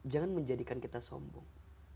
jangan menjadikan kita sombong